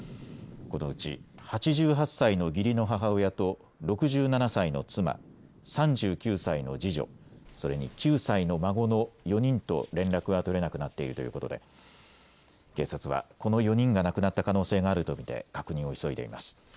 このうち８８歳の義理の母親と６７歳の妻、３９歳の次女、それに９歳の孫の４人と連絡が取れなくなっているということで警察はこの４人が亡くなった可能性があると見て確認を急いでいます。